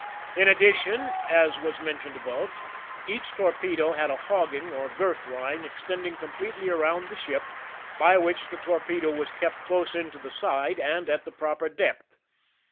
In addition, as was mentioned above, each torpedo had a hogging or girth line extending completely around the ship, by which the torpedo was kept close in to the side and at the proper depth.